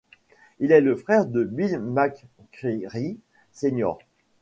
Il est le frère de Bill McCreary Senior.